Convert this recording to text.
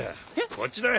こっちだ。